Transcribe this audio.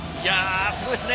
すごいですね。